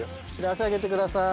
脚上げてください！